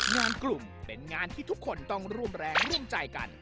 งานกลุ่มเป็นงานที่ทุกคนต้องร่วมแรงร่วมใจกัน